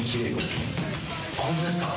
ホントですか。